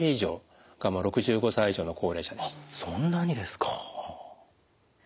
そんなにですか。